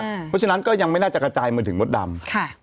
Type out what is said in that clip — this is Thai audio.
เพราะฉะนั้นก็ยังไม่น่าจะกระจายมาถึงมดดำ